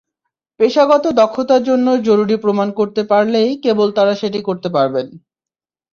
পেশাগত দক্ষতার জন্য জরুরি প্রমাণ করতে পারলেই কেবল তাঁরা সেটি করতে পারবেন।